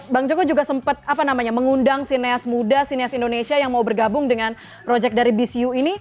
bang joko juga sempat mengundang sineas muda sinias indonesia yang mau bergabung dengan project dari bcu ini